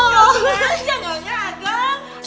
ya nggak ya nggak agar